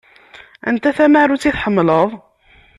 Anta tamarut i tḥemmleḍ?